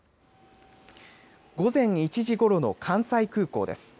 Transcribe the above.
午前１時ごろの関西空港です。